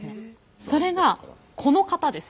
それがこの方です。